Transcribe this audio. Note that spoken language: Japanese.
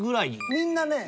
みんなね